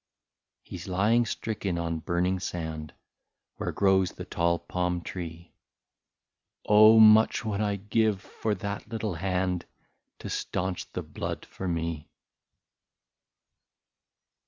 " He 's lying stricken on burning sand, Where grows the tall palm tree :—*^ Oh ! much would I give for that little hand, To staunch the blood for me."